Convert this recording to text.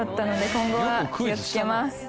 「今後は気をつけます」